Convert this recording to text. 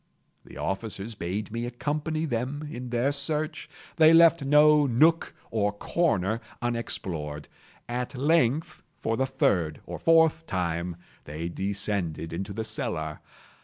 The officers bade me accompany them in their search. They left no nook or corner unexplored. At length, for the third or fourth time, they descended into the cellar.